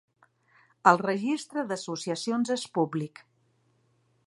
El Registre d'associacions és públic.